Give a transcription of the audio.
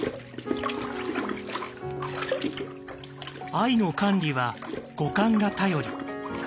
藍の管理は五感が頼り。